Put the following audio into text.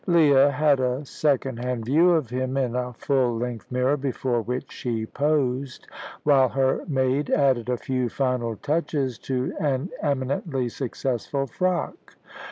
Leah had a second hand view of him in a full length mirror before which she posed, while her maid added a few final touches to an eminently successful frock.